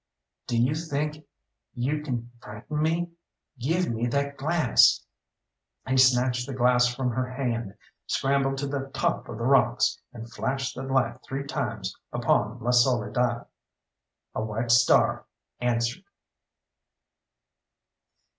"Do you think you can frighten me? Give me that glass!" He snatched the glass from her hand, scrambled to the top of the rocks, and flashed the light three times upon La Soledad. A white star answered.